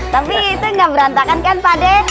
tapi itu gak berantakan kan pak d